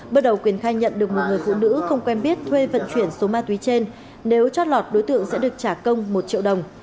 bước đầu quyền khai nhận được một người phụ nữ không quen biết thuê vận chuyển số ma túy trên nếu chót lọt đối tượng sẽ được trả công một triệu đồng